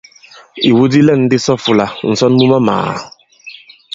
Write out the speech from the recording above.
Ìwu di lɛ̂n di sɔ i ifūlā: ǹsɔn mu mamàà.